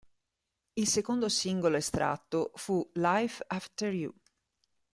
Il secondo singolo estratto fu "Life After You".